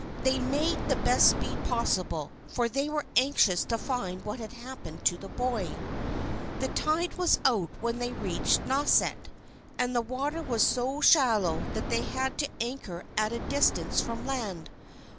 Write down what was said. They made the best speed possible, for they were anxious to find what had happened to the boy. The tide was out when they reached Nauset, and the water was so shallow that they had to anchor at a distance from land.